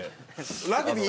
ラグビー？